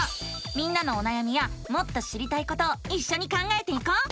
みんなのおなやみやもっと知りたいことをいっしょに考えていこう！